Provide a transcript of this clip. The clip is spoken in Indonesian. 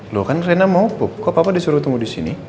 lu kan rena mau pup kok papa disuruh tunggu disini